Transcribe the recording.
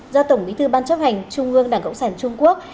do tổng bí thư ban chấp hành trung ương đảng cộng sản trung quốc